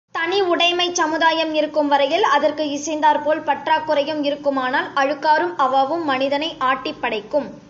தனி உடைமைச் சமுதாயம் இருக்கும் வரையில் அதற்கு இசைந்தாற் போல் பற்றாக்குறையும் இருக்குமானால் அழுக்காறும் அவாவும் மனிதனை ஆட்டிப்படைக்கும்.